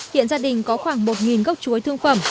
hiện gia đình có khoảng một gốc chuối thương phẩm